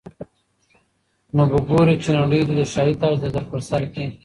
نو به ګورې چي نړۍ دي د شاهي تاج در پرسر کي